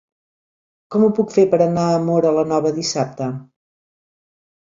Com ho puc fer per anar a Móra la Nova dissabte?